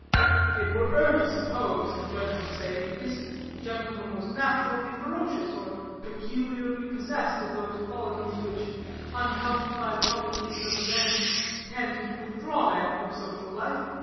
"'It were to err to suppose,' the judge would say, 'that this gentleman was naturally ferocious, or peculiarly possessed of those qualities, which, unhelped by provocation of events, tend to withdraw man from social life.